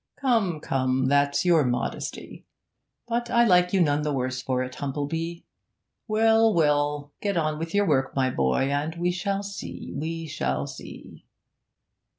'Come, come, that's your modesty. But I like you none the worse for it, Humplebee. Well, well, get on with your work, my boy, and we shall see, we shall see.'